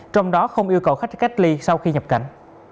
trong đó không yêu cầu khách cách ly sau khi nhập cảnh